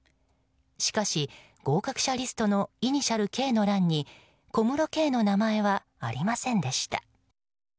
しかし、合格者リストのイニシャルＫの欄にＫＯＭＵＲＯＫＥＩの名前はありませんでした。